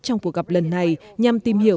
trong cuộc gặp lần này nhằm tìm hiểu